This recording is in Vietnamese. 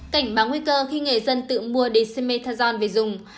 cảnh báng nguy cơ khi nghề dân tự mua dexamethasone về dùng